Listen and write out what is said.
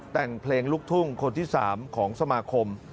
แต่งเพลงลูกทุ่งคนที่๓ของสมาคม